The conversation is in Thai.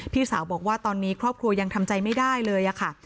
พี่สาวบอกว่าตอนนี้ครอบครัวยังทำใจไม่ได้เลยค่ะ